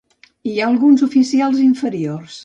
Hi ha alguns oficials inferiors.